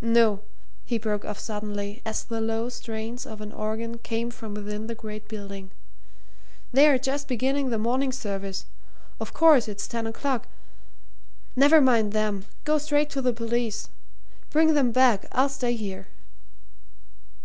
No!" he broke off suddenly, as the low strains of an organ came from within the great building. "They're just beginning the morning service of course, it's ten o'clock. Never mind them go straight to the police. Bring them back I'll stay here."